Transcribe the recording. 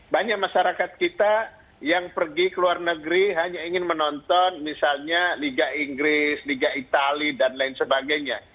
banyak masyarakat kita yang pergi ke luar negeri hanya ingin menonton misalnya liga inggris liga itali dan lain sebagainya